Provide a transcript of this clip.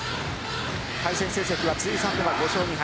対戦成績は通算では５勝２敗。